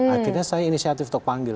akhirnya saya inisiatif untuk panggil